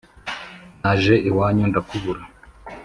Naje iwanyu ndakubura.